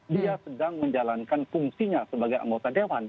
dia sedang menjalankan fungsinya sebagai anggota dewan